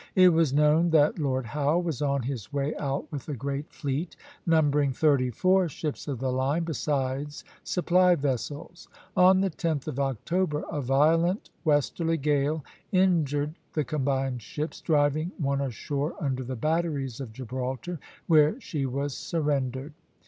It was known that Lord Howe was on his way out with a great fleet, numbering thirty four ships of the line, besides supply vessels. On the 10th of October a violent westerly gale injured the combined ships, driving one ashore under the batteries of Gibraltar, where she was surrendered.